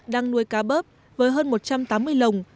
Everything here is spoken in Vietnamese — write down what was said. đang nuôi cá bớp với hơn một trăm tám mươi lồng